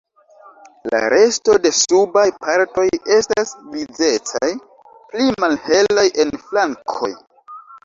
La resto de subaj partoj estas grizecaj, pli malhelaj en flankoj.